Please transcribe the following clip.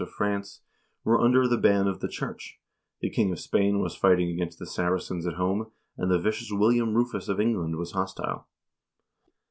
of France, were under the ban of the church, the king of Spain was fighting against the Saracens at home, and the vicious William Rufus of England was hostile.